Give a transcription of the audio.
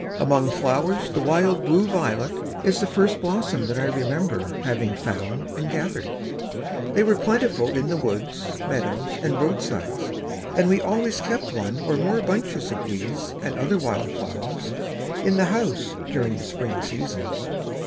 Among flowers, the wild blue violet is the first blossom that I remember having found and gathered. They were plentiful in the woods, meadows and roadsides, and we always kept one or more bunches of these and other wild flowers in the house during the spring season.